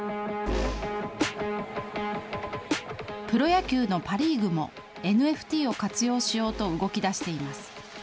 プロ野球のパ・リーグも、ＮＦＴを活用しようと動きだしています。